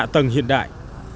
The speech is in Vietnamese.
tầng hiện đại